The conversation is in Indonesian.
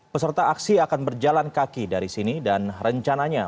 peserta aksi akan berjalan kaki dari sini dan rencananya